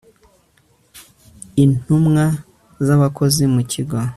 intumwa z abakozi mu kigo